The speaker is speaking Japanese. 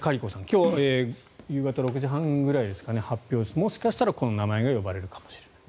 今日の夕方６時半ぐらいに発表になってもしかしたらこの名前が呼ばれるかもしれない。